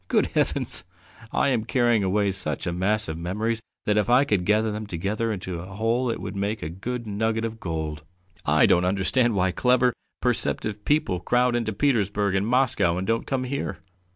Good heavens! I am carrying away such a mass of memories that if I could gather them together into a whole it would make a good nugget of gold! I don't understand why clever, perceptive people crowd into Petersburg and Moscow and don't come here.